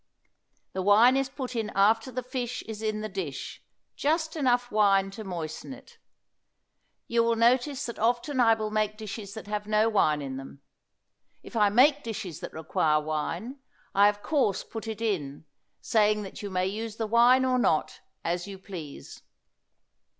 The wine is put in after the fish is in the dish, just enough wine to moisten it. You will notice that often I will make dishes that have no wine in them; if I make dishes that require wine, I of course put it in, saying that you may use the wine or not, as you please.